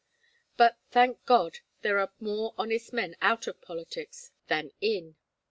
But, thank God, there are more honest men out of politics than in.